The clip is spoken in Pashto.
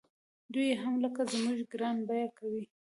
دوی یې هم لکه زموږ ګران بیه کوي.